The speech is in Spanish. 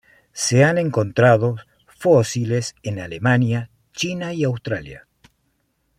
Se han encontrado fósiles en Alemania, China y Australia.